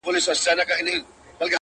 موږ په خټه او په اصل پاچاهان یو .!